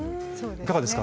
いかがですか？